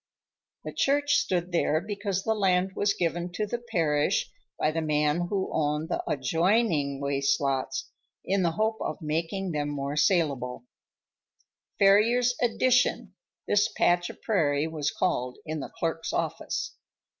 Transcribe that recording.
The church stood there because the land was given to the parish by the man who owned the adjoining waste lots, in the hope of making them more salable—"Farrier's Addition," this patch of prairie was called in the clerk's office.